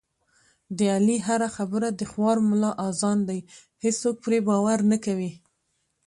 د علي هره خبره د خوار ملا اذان دی، هېڅوک پرې باور نه کوي.